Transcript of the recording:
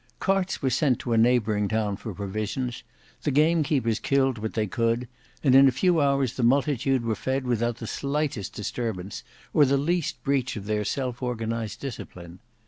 Carts were sent to a neighbouring town for provisions; the gamekeepers killed what they could, and in a few hours the multitude were fed without the slightest disturbance, or the least breach of their self organised discipline.